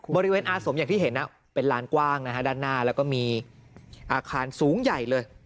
บริเวณอาสมอย่างที่เห็นเป็นลานกว้างนะฮะด้านหน้าแล้วก็มีอาคารสูงใหญ่เลย